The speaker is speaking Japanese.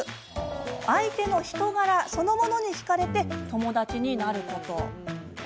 相手の人柄そのものにひかれて友達になること。